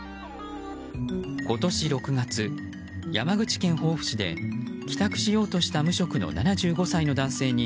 今年６月、山口県防府市で帰宅しようとした無職の７５歳の男性に